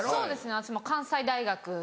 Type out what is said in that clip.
私も関西大学。